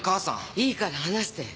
いいから話して！